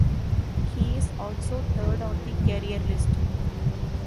He is also third on the career list.